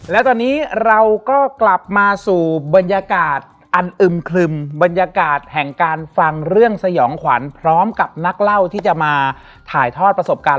และตอนนี้เราก็กลับมาสู่บรรยากาศอันอึมคลึมบรรยากาศแห่งการฟังเรื่องสยองขวัญพร้อมกับนักเล่าที่จะมาถ่ายทอดประสบการณ์